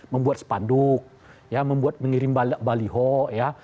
membuat sepanduk ya membuat mengirim baliho ya